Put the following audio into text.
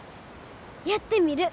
やってみる。